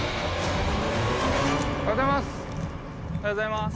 おはようございます！